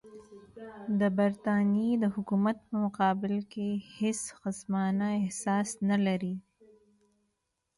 د برټانیې د حکومت په مقابل کې هېڅ خصمانه احساس نه لري.